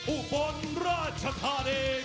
อุบลราชธานี